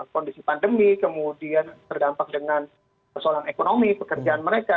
kondisi pandemi kemudian terdampak dengan persoalan ekonomi pekerjaan mereka